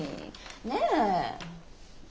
ねえ？